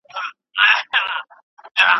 تاسو باید په خپلو خبرو کې صادق اوسئ.